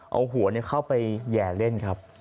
เอาหัวเข้าไปแห่เล่นครับ